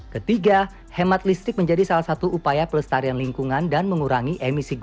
ketiga hemat listrik menjadi salah satu upaya pelestarian lingkungan dan mengurangi emisi gempa